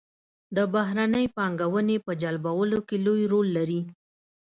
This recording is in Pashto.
د بهرنۍ پانګونې په جلبولو کې لوی رول لري.